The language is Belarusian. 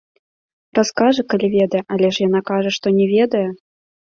Раскажа, калі ведае, але ж яна кажа, што не ведае.